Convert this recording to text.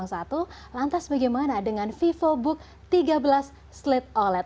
un lima ribu empat ratus satu lantas bagaimana dengan vivobook tiga belas slate oled